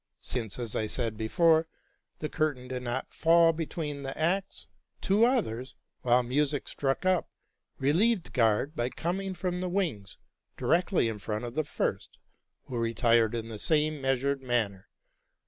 Since, as I said before, the curtain did not fall between the acts, two others, while music struck up, relieved guard, by coming from the wings, directly in front of the first, who retired in the same measured manner.